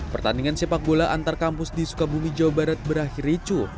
pertandingan sepak bola antar kampus di sukabumi jawa barat berakhir ricu